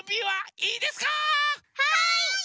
はい！